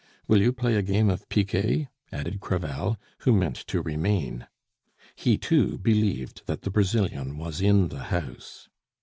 Will you play a game of piquet?" added Crevel, who meant to remain. He too believed that the Brazilian was in the house.